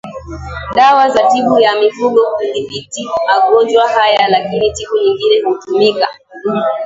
dawa za tiba ya mifugo kudhibiti magonjwa haya lakini tiba nyingi hutumika